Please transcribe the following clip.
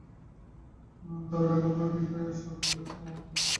তবে ঠাকুরের কৃপায় ও-সব বেদবেদান্ত মাথায় রেখে এবার পাড়ি মারব।